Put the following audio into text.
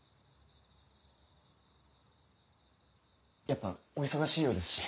やっぱお忙しいようですし。